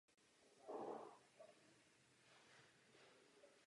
Budeme nepřetržitě sledovat, zda jsou dodržována lidská práva.